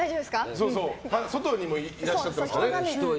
外にもいらっしゃってますからね。